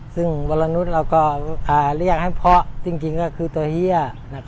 ซึ่งวรนุษย์เราก็เรียกให้เพาะจริงก็คือตัวเฮีย